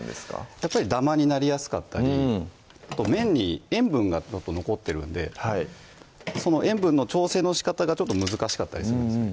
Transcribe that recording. やっぱりダマになりやすかったり麺に塩分が残ってるんではい塩分の調整のしかたが難しかったりするんですね